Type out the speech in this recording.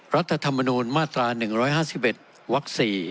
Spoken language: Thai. รัฐธรรมนูญมาตรา๑๕๑วัก๔